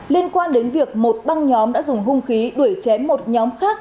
liên quan đến việc một băng nhóm đã dùng hung khí đuổi chém một nhóm khác